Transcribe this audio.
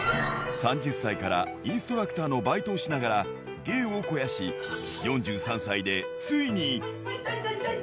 ３０歳からインストラクターのバイトをしながら芸を肥やし、４３歳でついに。